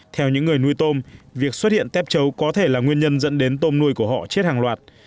theo những người nuôi tôm việc xuất hiện tép chấu có thể là nguyên nhân dẫn đến tôm nuôi của họ chết hàng loạt